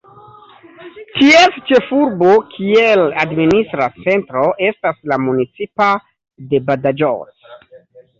Ties ĉefurbo, kiel administra centro, estas la municipo de Badajoz.